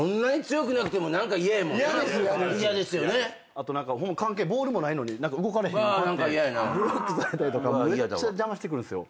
あとボールもないのに動かれへんようにこうやってブロックされたりとかめっちゃ邪魔してくるんすよ。